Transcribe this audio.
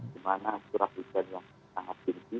dimana curah hujan yang sangat tinggi